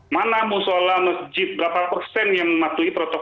mana musola masjid berapa persen yang mematuhi protokol